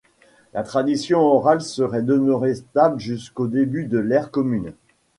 La tradition orale serait demeurée stable jusqu'aux débuts de l'ère commune.